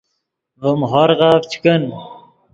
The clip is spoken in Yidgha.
ڤیم ہورغف چے کن